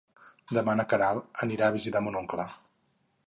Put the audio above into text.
Demà na Queralt anirà a visitar mon oncle.